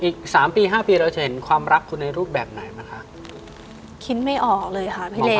อีกสามปีห้าปีเราจะเห็นความรักคุณในรูปแบบไหนบ้างคะคิดไม่ออกเลยค่ะพี่เล